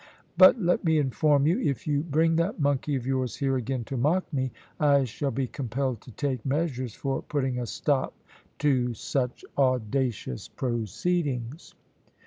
"But let me inform you, if you bring that monkey of yours here again to mock me, I shall be compelled to take measures for putting a stop to such audacious proceedings."